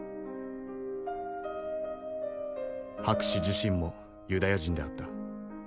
博士自身もユダヤ人であった。